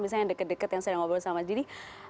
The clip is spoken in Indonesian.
misalnya dekat dekat yang sedang ngobrol sama mas jiddi